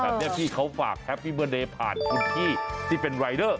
แบบที่เขาฝากแฮปปี้เมื่อเดผ่านคุณพี่ที่เป็นรายเด้อ